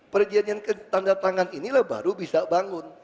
perjanjian tanda tangan inilah baru bisa bangun